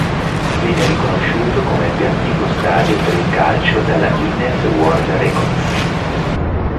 Viene riconosciuto come più antico stadio per il calcio dal Guinness World Records.